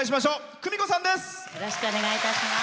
クミコさんです。